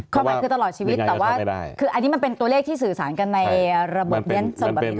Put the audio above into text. ความหมายคือตลอดชีวิตแต่ว่าอันนี้มันเป็นตัวเลขที่สื่อสารกันในระบบเบี้ยนสมบัติ